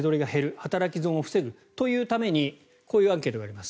働き損を防ぐというためにこういうアンケートがあります。